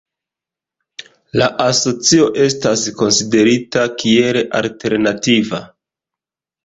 La asocio estas konsiderita kiel alternativa.